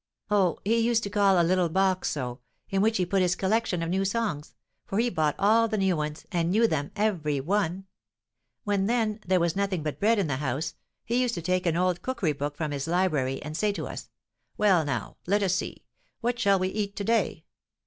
"Oh, he used to call a little box so, in which he put his collection of new songs; for he bought all the new ones, and knew them every one. When, then, there was nothing but bread in the house, he used to take an old cookery book from his library, and say to us, 'Well, now, let us see, what shall we eat to day?